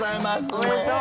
おめでとう！